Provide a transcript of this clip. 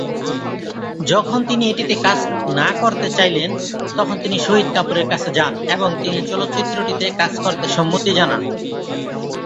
যখন তিনি এটিতে কাজ না করতে চাইলেন, তখন তিনি শহীদ কাপুরের কাছে যান এবং তিনি চলচ্চিত্রটিতে কাজ করতে সম্মতি জানান।